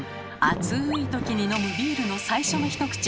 暑い時に飲むビールの最初の１口。